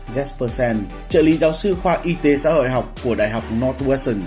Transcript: jespersen trợ lý giáo sư khoa y tế xã hội học của đại học northwesson